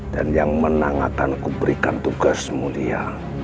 dan yang menang akan kuberikan tugas mulia